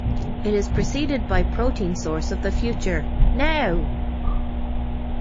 It is preceded by Protein Source of the Future...Now!